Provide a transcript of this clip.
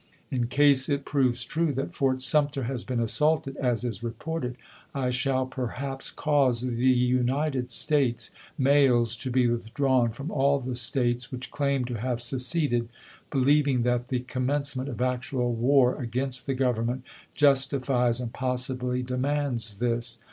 In case it proves true that Fort Sumter has been assaulted, as is reported, I shall perhaps cause the United States mails to be withdrawn from all the States which claim to have seceded, beUeving that the coinmencement of actual war against the Government justifies and possibly demands this.